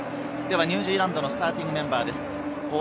ニュージーランドのスターティングのメンバーです。